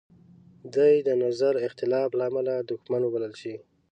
دی د نظر د اختلاف لامله دوښمن وبلل شي.